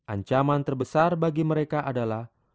ancaman terbesar bagi mereka adalah